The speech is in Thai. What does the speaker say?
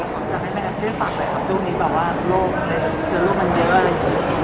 ทำไมแม่ไม่ได้เชื่อฝากเลยครับตรงนี้แปลว่าโลกมันเยอะเลย